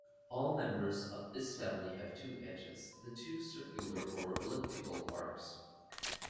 All members of this family have two edges (the two circular or elliptical arcs).